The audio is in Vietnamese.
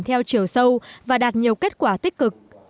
theo chiều sâu và đạt nhiều kết quả tích cực